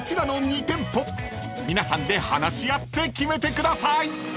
［皆さんで話し合って決めてください］